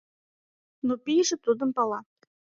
Но пийже тудым пала.